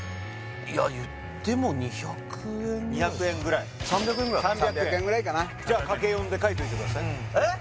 いっても２００円２００円ぐらい３００円ぐらいかなじゃあ×４で書いといてくださいえっ！